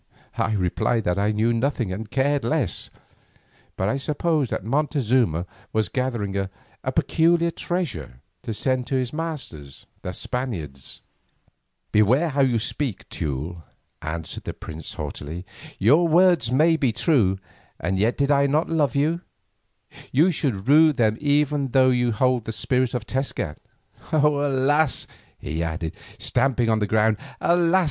I replied that I knew nothing and cared less, but I supposed that Montezuma was gathering a peculiar treasure to send to his masters the Spaniards. "Beware how you speak, Teule," answered the prince haughtily. "Your words may be true, and yet did I not love you, you should rue them even though you hold the spirit of Tezcat. Alas!" he added, stamping on the ground, "alas!